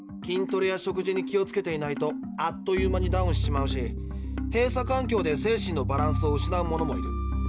筋トレや食事に気をつけていないとあっという間にダウンしちまうし閉鎖環境で精神のバランスを失う者もいる。